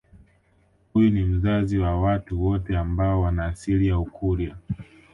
Huyu ni mzazi wa watu wote ambao wana asili ya Ukurya